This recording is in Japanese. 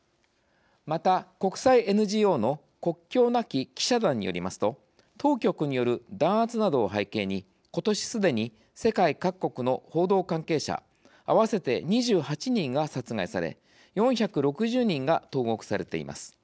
また、国際ＮＧＯの国境なき記者団によりますと当局による弾圧などを背景にことし、すでに世界各国の報道関係者合わせて２８人が殺害され４６０人が投獄されています。